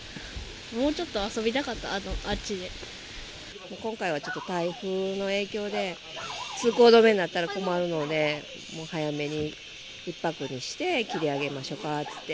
もうちょっと遊びたかった、今回はちょっと台風の影響で、通行止めになったら困るので、もう早めに１泊にして切り上げましょかっていって。